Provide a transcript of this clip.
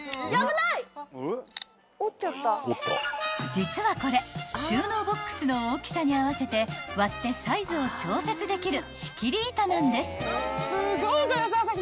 ［実はこれ収納ボックスの大きさに合わせて割ってサイズを調節できる］